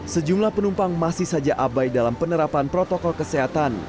sejumlah penumpang masih saja abai dalam penerapan protokol kesehatan